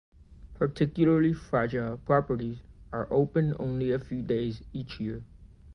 Particularly fragile properties are open only a few days each year.